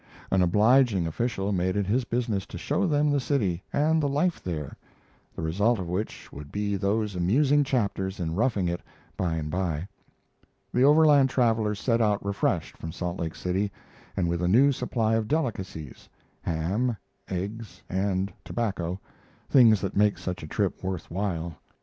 An obliging official made it his business to show them the city and the life there, the result of which would be those amusing chapters in 'Roughing It' by and by. The Overland travelers set out refreshed from Salt Lake City, and with a new supply of delicacies ham, eggs, and tobacco things that make such a trip worth while.